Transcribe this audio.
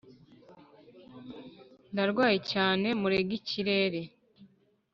ndarwaye cyane murega ikirere.